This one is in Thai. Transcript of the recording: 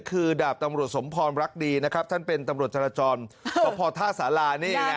คือดาบตำรวจสมพรรักดีนะครับท่านเป็นตำรวจจราจรสพท่าสารานี่ไง